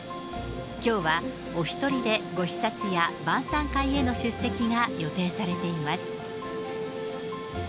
きょうはお一人で、ご視察や晩さん会への出席が予定されています。